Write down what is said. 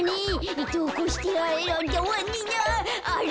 あれ？